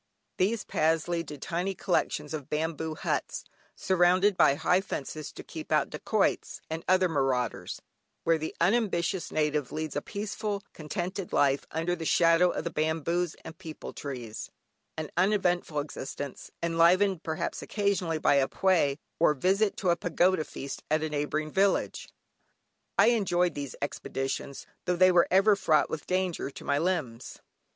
These paths lead to tiny collections of bamboo huts, surrounded by high fences to keep out dacoits and other marauders, where the unambitious native leads a peaceful, contented life, under the shadow of the bamboos and peepul trees; an uneventful existence, enlivened, perhaps, occasionally by a Pwé, or visit to a pagoda feast at a neighbouring village. I enjoyed these expeditions, tho' they were ever fraught with danger to my limbs.